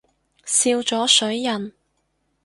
笑咗水印